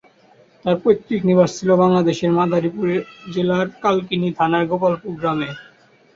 তাঁর পৈতৃক নিবাস ছিল বাংলাদেশের মাদারীপুর জেলার কালকিনি থানার গোপালপুর গ্রামে।